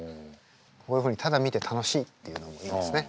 こういうふうにただ見て楽しいっていうのもいいですね。